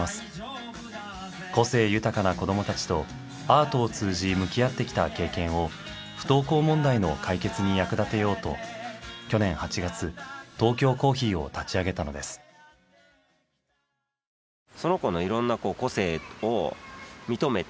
個性豊かな子どもたちとアートを通じ向き合ってきた経験を不登校問題の解決に役立てようと去年８月トーキョーコーヒーを立ち上げたのです。と思っていて。